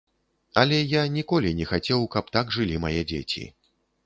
Але я ніколі не хацеў, каб так жылі мае дзеці.